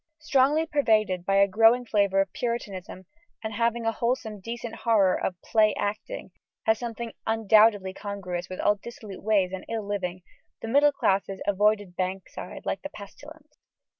Strongly pervaded by a growing flavour of Puritanism, and having a wholesome decent horror of "play acting" as something undoubtedly congruous with all dissolute ways and ill living, the middle classes avoided Bankside like the pestilence.